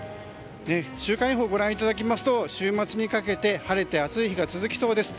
週間予報をご覧いただきますと週末にかけて晴れて暑い日が続きそうです。